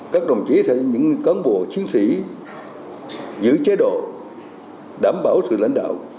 các đồng chí sẽ là những cấn bộ chiến sĩ giữ chế độ đảm bảo sự lãnh đạo